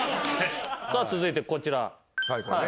さあ続いてこちら。